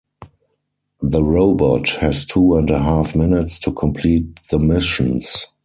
The robot has two and a half minutes to complete the missions.